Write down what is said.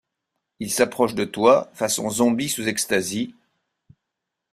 Il s’approche de toi façon zombie sous extasy.